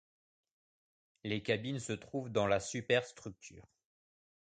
Les cabines se trouvent dans la superstructure.